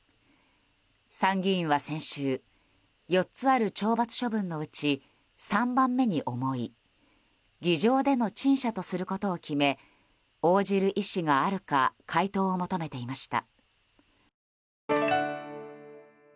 参議院は先週４つある懲罰処分のうち３番目に重い議場での陳謝とすることを決め応じる意思があるか回答を求めていました。